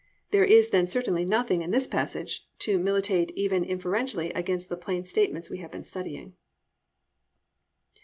There is then certainly nothing in this passage to militate even inferentially against the plain statements we have been studying.